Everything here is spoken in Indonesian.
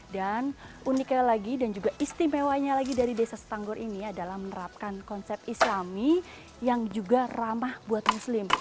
dan uniknya lagi dan juga istimewanya lagi dari desa setanggor ini adalah menerapkan konsep islami yang juga ramah buat muslim